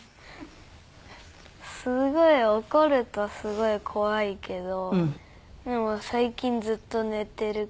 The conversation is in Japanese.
すごい怒るとすごい怖いけどでも最近ずっと寝てる。